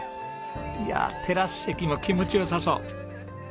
いやテラス席も気持ち良さそう。